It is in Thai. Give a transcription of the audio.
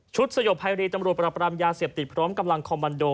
สยบภัยรีตำรวจประปรามยาเสพติดพร้อมกำลังคอมมันโด